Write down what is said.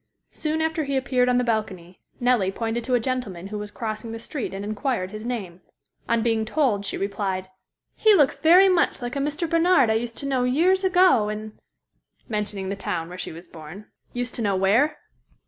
Soon after he appeared on the balcony, Nellie pointed to a gentleman who was crossing the street and inquired his name. On being told she replied: "He looks very much like a Mr. Barnard I used to know years ago in ——," mentioning the town where she was born. "Used to know where?"